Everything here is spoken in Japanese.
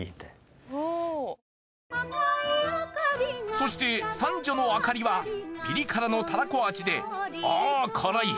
そして三女のあかりはピリ辛のたらこ味で。